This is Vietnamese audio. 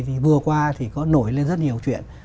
vì vừa qua thì có nổi lên rất nhiều chuyện